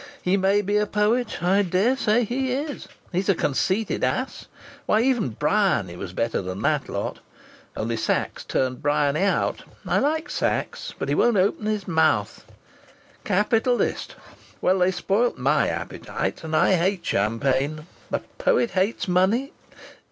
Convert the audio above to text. He may be a poet. I daresay he is. He's a conceited ass. Why, even Bryany was better than that lot. Only Sachs turned Bryany out. I like Sachs. But he won't open his mouth.... 'Capitalist'! Well, they spoilt my appetite, and I hate champagne!... The poet hates money....